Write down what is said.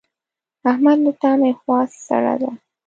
احمد له تا مې خوا سړه ده.